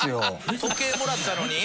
時計もらったのに？